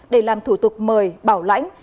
để làm thủ tục mời bảo lãnh